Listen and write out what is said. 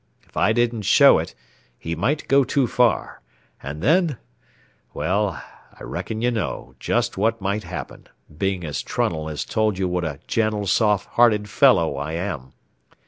If I didn't show it, he might go too far, and then well, I reckon ye know just what might happen, being as Trunnell has told you what a gentle, soft hearted fellow I am.